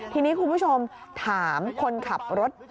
ทีนี้คุณผู้ชมถามคนขับรถ